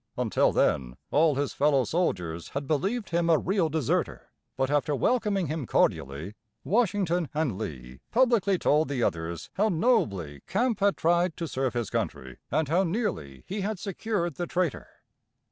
Until then all his fellow soldiers had believed him a real deserter; but after welcoming him cordially, Washington and Lee publicly told the others how nobly Campe had tried to serve his country, and how nearly he had secured the traitor.